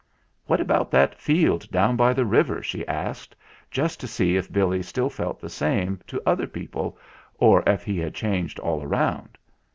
"What about that field down by the river?" she asked, just to see if Billy still felt the same to other people, or if he had changed all round.